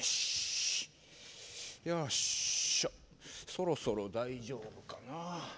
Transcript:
そろそろ大丈夫かな。